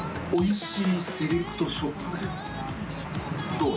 どう？